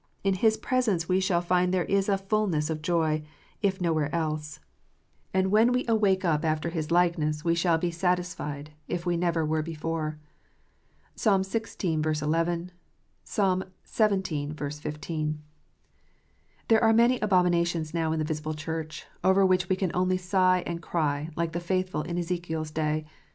In His presence we shall find there is a fulness of joy, if nowhere else ; and when we awake up after His like IDOLATRY. 415 ness we shall be satisfied, if we never were before. (Psalm xvi. 11; xvii. 15.) There are many abominations now in the visible Church, over which we can only sigh and cry, like the faithful in Ezekiel s day.